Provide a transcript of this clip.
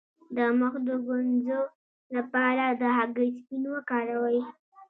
د مخ د ګونځو لپاره د هګۍ سپین وکاروئ